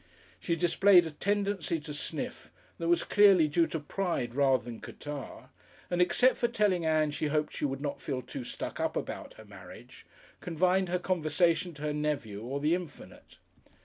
She displayed a tendency to sniff that was clearly due to pride rather than catarrh, and except for telling Ann she hoped she would not feel too "stuck up" about her marriage, confined her conversation to her nephew or the infinite.